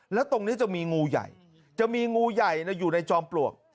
แล้วตรงนี้จะมีงูใหญ่จะมีงูใหญ่อยู่ในจอมปลวก